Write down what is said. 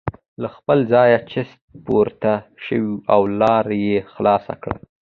له خپله ځایه چست پورته شو او لاره یې خلاصه کړه.